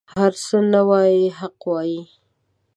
هر څه نه وايي حق وايي.